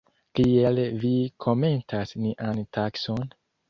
Kiel vi komentas nian takson?